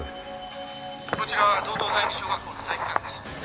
こちら道東第２小学校の体育館です。